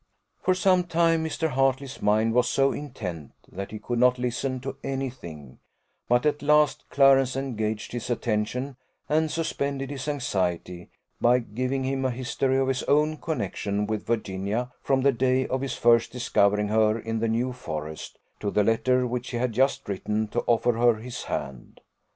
For some time Mr. Hartley's mind was so intent that he could not listen to any thing, but at last Clarence engaged his attention and suspended his anxiety, by giving him a history of his own connexion with Virginia, from the day of his first discovering her in the New Forest, to the letter which he had just written, to offer her his hand.